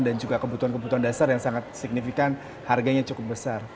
juga kebutuhan kebutuhan dasar yang sangat signifikan harganya cukup besar